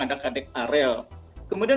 ada kadek arel kemudian